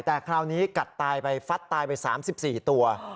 แต่คราวนี้กัดไป๓๔ตัว